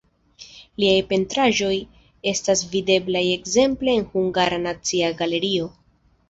Liaj pentraĵoj estas videblaj ekzemple en Hungara Nacia Galerio.